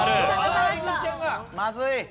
まずい！